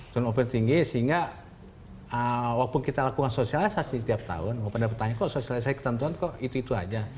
turnover tinggi sehingga walaupun kita lakukan sosialisasi setiap tahun mau pada bertanya kok selesai ketentuan kok itu itu aja